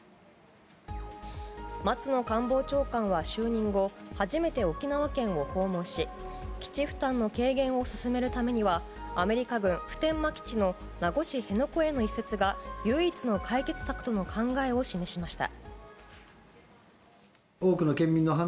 松野官房長官は就任後初めて沖縄県を訪問し基地負担の軽減を進めるためにはアメリカ軍普天間基地の名護市辺野古への移設が唯一の解決策との考えを示しました。